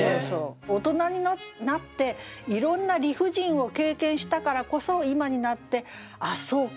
大人になっていろんな理不尽を経験したからこそ今になって「あっそうか。